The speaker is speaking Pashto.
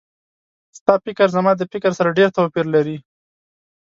ستا فکر زما د فکر سره ډېر توپیر لري